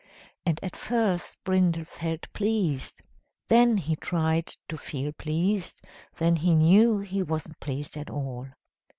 And at first Brindle felt pleased then he tried to feel pleased then he knew he wasn't pleased at all.